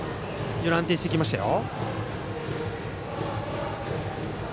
安定してきましたよ。